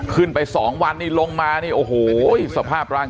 ขึ้นไป๒วันนี้ลงมานี่โอ้โหสภาพร่าง